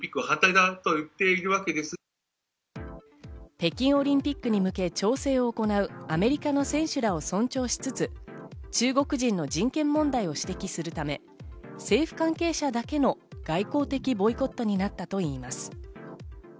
北京オリンピックに向け調整を行うはアメリカの選手らを尊重しつつ、中国人の人権問題を指摘するため、政府関係者だけの外交的ボイコットになったといいます。